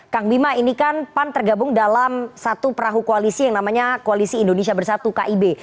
kang bima ini kan pan tergabung dalam satu perahu koalisi yang namanya koalisi indonesia bersatu kib